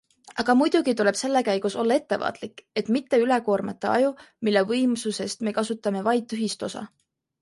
Aga muidugi tuleb selle käigus olla ettevaatlik, et mitte ülekoormata aju, mille võimsusest me kasutame vaid tühist osa.